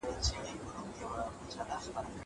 زه اوږده وخت بوټونه پاکوم!!